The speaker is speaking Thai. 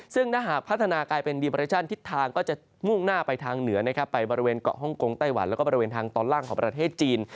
ซึ่งถ้าหากพัฒนากลายเป็นดีเรชั่นทิศทางก็จะมุ่งหน้าไปทางเหนือนะครับไปบริเวณเกาะฮ่องกงไต้หวันแล้วก็บริเวณทางตอนล่างของประเทศจีน